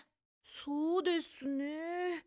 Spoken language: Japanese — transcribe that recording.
そうですね。